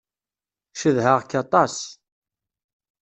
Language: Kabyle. Cedhaɣ-k aṭas.